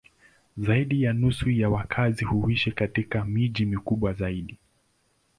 Zaidi ya nusu ya wakazi huishi katika miji mikubwa zaidi.